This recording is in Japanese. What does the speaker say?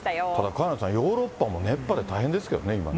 萱野さん、ヨーロッパも熱波で大変ですけどね、今ね。